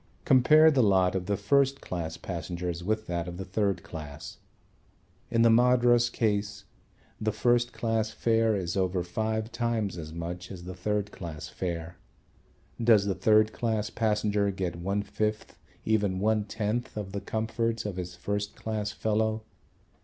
Compare the lot of the first class passengers with that of the third class. In the Madras case the first class fare is over five times as much as the third class fare. Does the third class passenger get one fifth, even one tenth, of the comforts of his first class fellow?